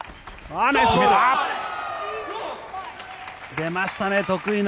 出ましたね、得意の。